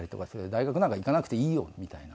「大学なんか行かなくていいよ」みたいな。